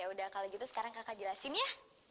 yaudah kalau gitu sekarang kakak jelasin ya